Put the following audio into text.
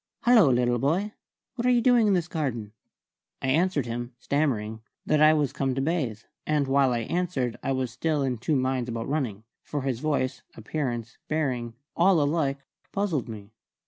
"Hallo, little boy! What are you doing in this garden?" I answered him, stammering, that I was come to bathe; and while I answered I was still in two minds about running; for his voice, appearance, bearing, all alike puzzled me.